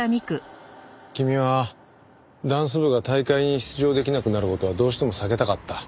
君はダンス部が大会に出場できなくなる事はどうしても避けたかった。